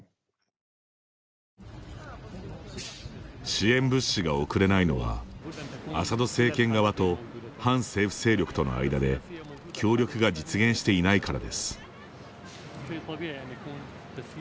支援物資が送れないのはアサド政権側と反政府勢力との間で協力が実現していないからです。